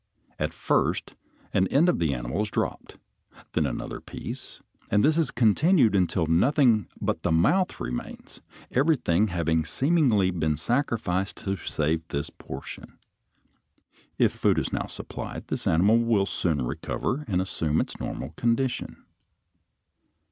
At first an end of the animal is dropped, then another piece, and this is continued until nothing but the mouth remains, everything having seemingly been sacrificed to save this portion. If food is now supplied, this animal will soon recover and assume its normal condition.